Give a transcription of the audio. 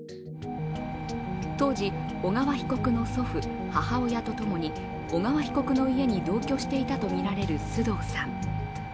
当時、小川被告の祖父、母親とともに小川被告の家に同居していたとみられる須藤さん。